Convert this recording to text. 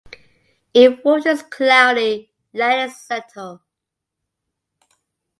If water is cloudy, let it settle.